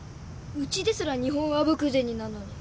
うちですらニホンアブクゼニなのに。